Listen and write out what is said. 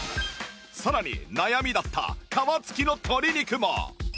さらに悩みだった皮付きの鶏肉も